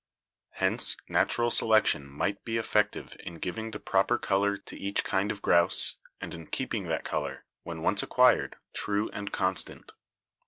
Hence natural selection might be effective in giving the proper color to each kind of grouse, and in keeping that color, when once acquired, true and constant.